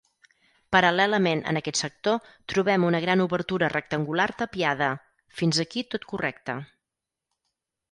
Paral·lelament en aquest sector, trobem una gran obertura rectangular tapiada, fins aquí tot correcte.